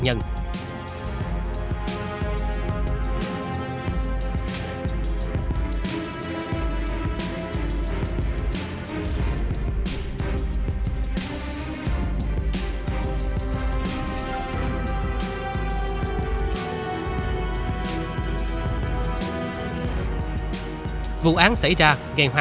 mà quý gây ra